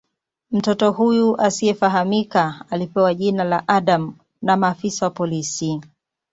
Mtoto huyu asiyefahamika alipewa jina la "Adam" na maafisa wa polisi.